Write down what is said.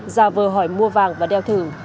già vờ hỏi mua vàng và đeo thử